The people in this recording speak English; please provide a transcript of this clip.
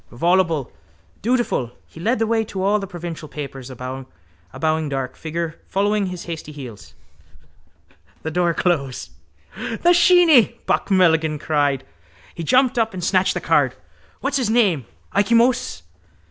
Voluble, dutiful, he led the way to all the provincial papers, a bowing dark figure following his hasty heels. The door closed. —The sheeny! Buck Mulligan cried. He jumped up and snatched the card. —What's his name? Ikey Moses?